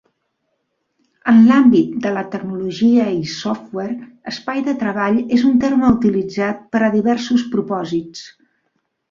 En l'àmbit de la tecnologia i software, "espai de treball" és un terme utilitzat per a diversos propòsits.